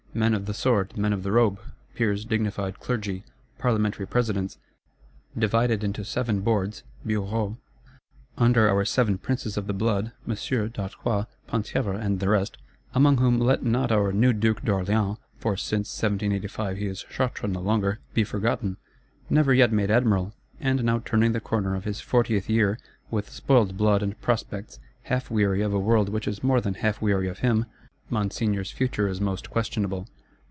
Men of the sword, men of the robe; Peers, dignified Clergy, Parlementary Presidents: divided into Seven Boards (Bureaux); under our Seven Princes of the Blood, Monsieur, D'Artois, Penthievre, and the rest; among whom let not our new Duke d'Orléans (for, since 1785, he is Chartres no longer) be forgotten. Never yet made Admiral, and now turning the corner of his fortieth year, with spoiled blood and prospects; half weary of a world which is more than half weary of him, Monseigneur's future is most questionable.